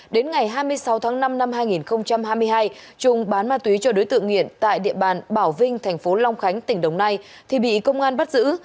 đến ngày hai mươi sáu tháng năm năm hai nghìn hai mươi hai trung bán ma túy cho đối tượng nghiện tại địa bàn bảo vinh thành phố long khánh tỉnh đồng nai thì bị công an bắt giữ